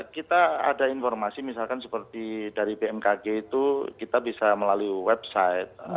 kita ada informasi misalkan seperti dari bmkg itu kita bisa melalui website